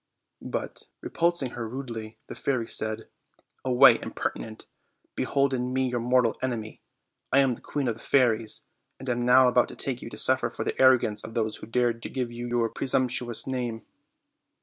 But, repulsing her rudely, the fairy said: "Away, impertinent! behold in me your mortal enemy. I am the queen of the fairies, and am now about to make you suffer for the arrogance of those who dared to give you your presumptuous name."